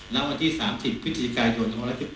ณวันที่๓๐พิธีกายยนต์๒๑๘